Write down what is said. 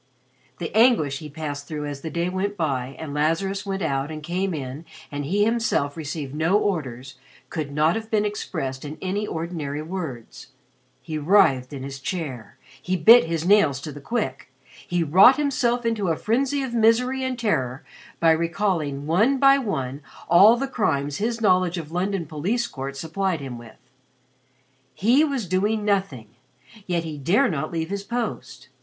The anguish he passed through as the day went by and Lazarus went out and came in and he himself received no orders, could not have been expressed in any ordinary words. He writhed in his chair, he bit his nails to the quick, he wrought himself into a frenzy of misery and terror by recalling one by one all the crimes his knowledge of London police courts supplied him with. He was doing nothing, yet he dare not leave his post.